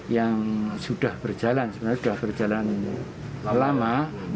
yang sudah berjalan sebenarnya sudah berjalan lama